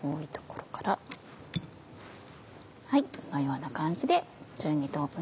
このような感じで。